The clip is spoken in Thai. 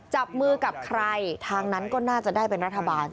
จับมือกับใครทางนั้นก็น่าจะได้เป็นรัฐบาล